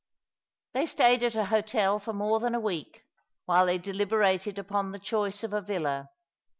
They stayed at a hotel for more than a week, while they deliberated upon the choice of a villa.